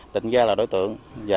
định ra là đối tượng và